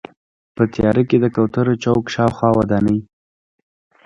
په تیاره کې د کوترو چوک شاوخوا ودانۍ.